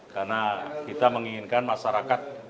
karena kita menginginkan masyarakat